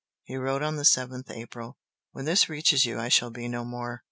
He wrote on the 7th April: "When this reaches you I shall be no more.